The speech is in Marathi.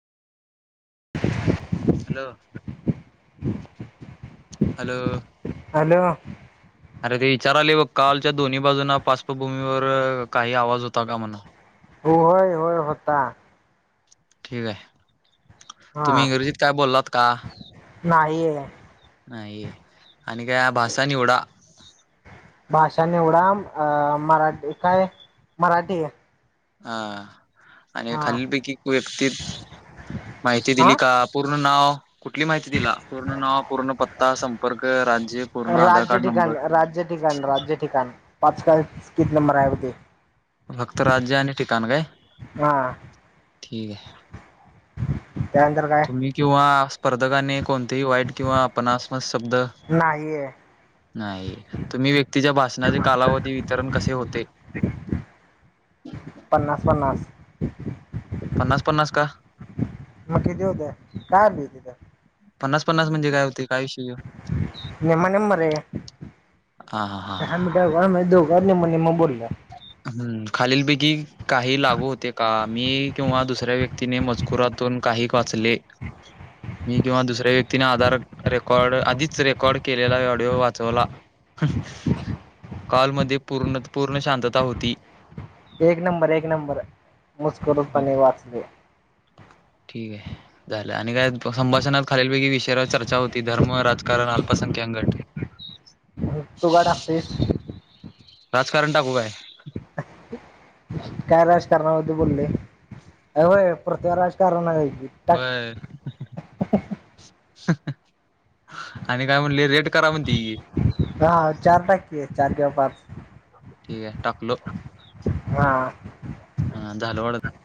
[unintelligible] हॅलो हॅलो हॅलो अरे ते विचारालय बघ कॉलच्या दोन्ही बाजूंना पासपभूमीवर काही आवाज होता का म्हनून होय होय होता ठीकय हा तुम्ही इंग्रजीत काय बोललात का नाही नाही आणि काय भाषा निवडा भाषा निवडा अ मराठी काय मराठी हा आणि हा खालीलपैकी व्यक्ती माहिती हा दिली का पूर्ण नाव कुठली माहिती दिला पूर्ण नाव पूर्ण पत्ता संपर्क राज्य पूर्ण आधार राज्य कार्ड ठिकाण नंबर राज्य ठिकाण राज्य ठिकाण पाचकाळ किती नंबर आहे बघ की फक्त राज्य आणि ठिकाण काय हा ठीकय त्यानंतर काय तुम्ही किंवा स्पर्धकाने कोणतेही वाईट किंवा अपनासम शब्द नाही नाही तुम्ही व्यक्तीच्या भाषणाचे कालावधी वितरण कसे होते पन्नास पन्नास [unintelligible] पन्नास पन्नास का म किती होतय काय आलंय तित पन्नास पन्नास म्हणजे काय होतय निम्म निम्म रे हां, हां, हां, हां, दहा हां. मीटर वन मध्ये दोघ वर निम्म निम्म बोल्या हम्म खालील पैकी काही लागू होते का? मी किंवा दुसऱ्या व्यक्तीने मजकुरातून काही वाचले मी किंवा दुसऱ्या व्यक्तीने आधार रेकॉर्ड आधीच रेकॉर्ड केलेला ऑडिओ वाचवला कॉल मध्ये पूर्ण पूर्ण शांत ता होती एक नंबर एक नंबर मजकूर हं, पाने वाचले. ठीक आहे. झालं आणि काय संभाषणात खालीलपैकी विषया चर्चा होती. धर्म राजकारण अल्पसंख्याक गट तू का टाकतोयस? राजकारण टाकू काय? काय राजकारणामध्ये बोलले, अ होय पृथ्वा राजकारण नाय होय? होय आणि काय म्हणले रेट करा म्हणतय की हा चार टाक की चार किंवा पाच ठीक आहे टाकलो. हा हां, झालं वाटतं